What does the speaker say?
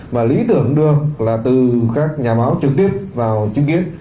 mà lý tưởng được là từ các nhà báo trực tiếp vào chứng kiến